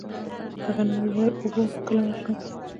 د غنمو لومړۍ اوبه کله ورکړم؟